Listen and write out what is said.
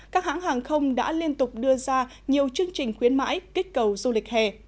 các hãng hàng không đã liên tục đưa ra nhiều chương trình khuyến mãi kích cầu du lịch hè